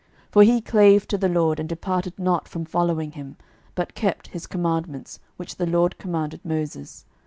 12:018:006 For he clave to the LORD, and departed not from following him, but kept his commandments, which the LORD commanded Moses.